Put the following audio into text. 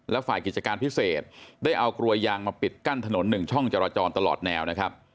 และฝ่ายกิจการพิเศษได้เอากลวยยางมาปิดกั้นถนน๑ช่องจราจรตลอดแนวนะครับ